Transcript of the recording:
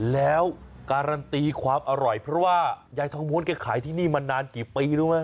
แล้วการันตีความอร่อยเพราะว่ายายทองม้วนแกขายที่นี่มานานกี่ปีรู้ไหม